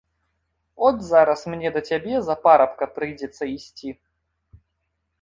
От зараз мне да цябе за парабка прыйдзецца ісці.